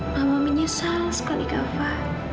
mama menyesal sekali kava